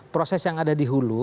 proses yang ada di hulu